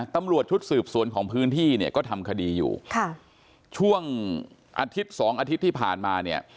ตำรวจชุดสืบสวนของพื้นที่เนี่ยก็ทำคดีอยู่ค่ะช่วงอาทิตย์สองอาทิตย์ที่ผ่านมาเนี่ย